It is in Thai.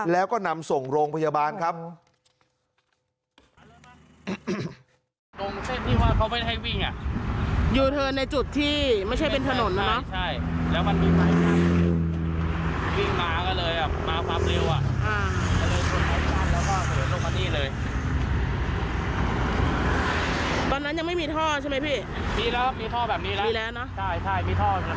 แล้วก็นำส่งโรงพยาบาลครับ